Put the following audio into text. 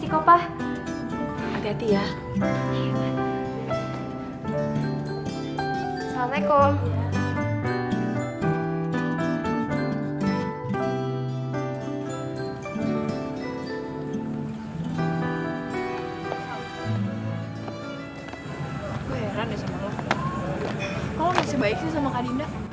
kok lo gak sebaik sih sama kak dinda